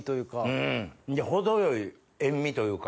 うん程よい塩味というか。